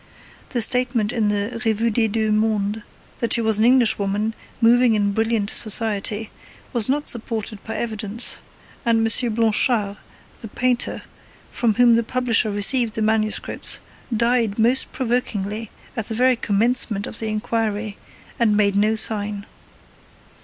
The statement in the Revue des Deux Mondes that she was an Englishwoman, moving in brilliant society, was not supported by evidence; and M. Blanchard, the painter, from whom the publisher received the manuscripts, died most provokingly at the very commencement of the inquiry, and made no sign.